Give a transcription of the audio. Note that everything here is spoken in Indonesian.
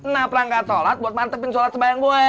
nah perangkat solat buat mantepin solat sebayang gue